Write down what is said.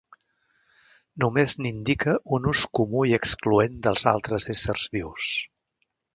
Només n'indica un ús comú i excloent dels altres éssers vius.